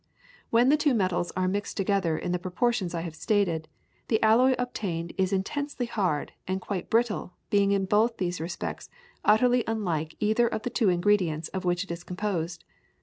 When the two metals are mixed together in the proportions I have stated, the alloy obtained is intensely hard and quite brittle being in both these respects utterly unlike either of the two ingredients of which it is composed.